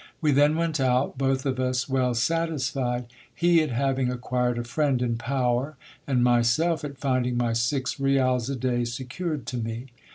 We then went out, both of us well satisfied, he at having acquired a friend in power, and myself at finding my six rials a day secured to me.